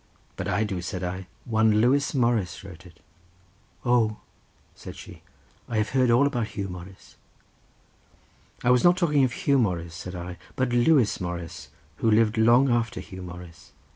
"But I do," said I; "one Lewis Morris wrote it." "Oh," said she, "I have heard all about Huw Morris." "I was not talking of Huw Morris," said I, "but Lewis Morris, who lived long after Huw Morris.